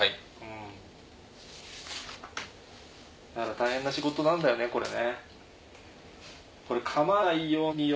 大変な仕事なんだよねこれね。